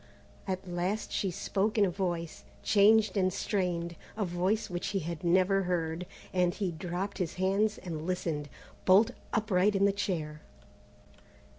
At last she spoke in a voice, changed and strained, a voice which he had never heard, and he dropped his hands and listened, bolt upright in his chair.